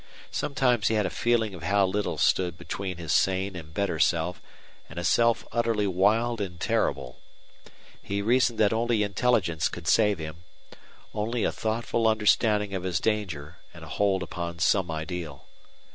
Sometimes he had a feeling of how little stood between his sane and better self and a self utterly wild and terrible. He reasoned that only intelligence could save him only a thoughtful understanding of his danger and a hold upon some ideal.